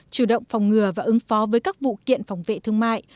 chủ động phòng ngừa và ứng phó với các vụ kiện phòng vệ thương mại